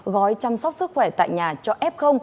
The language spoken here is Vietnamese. gói chăm sóc sức khỏe tại nhà cho f